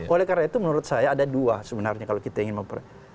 oleh karena itu menurut saya ada dua sebenarnya kalau kita ingin memperbaiki